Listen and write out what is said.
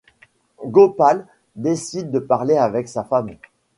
Gopal décide de parler avec sa femme.